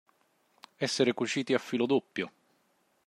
Essere cuciti a filo doppio.